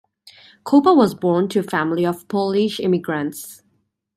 Kopa was born to a family of Polish immigrants.